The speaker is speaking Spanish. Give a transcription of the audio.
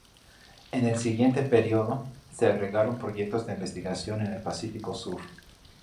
En el siguiente período, se agregaron proyectos de investigación en el Pacífico Sur.